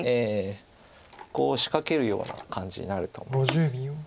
コウを仕掛けるような感じになると思います。